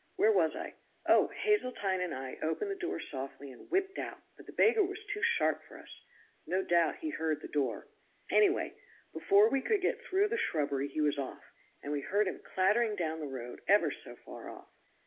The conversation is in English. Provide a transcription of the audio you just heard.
Where was I? Oh. Hazeltine and I opened the door softly and whipped out, but the beggar was too sharp for us. No doubt he heard the door. Anyway, before we could get through the shrubbery he was off, and we heard him clattering down the road ever so far off.